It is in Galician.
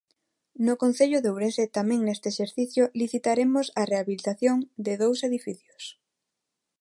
No concello de Ourense tamén neste exercicio licitaremos a rehabilitación de dous edificios.